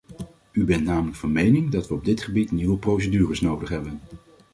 U bent namelijk van mening dat we op dit gebied nieuwe procedures nodig hebben.